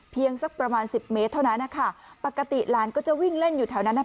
สักประมาณสิบเมตรเท่านั้นนะคะปกติหลานก็จะวิ่งเล่นอยู่แถวนั้นอ่ะ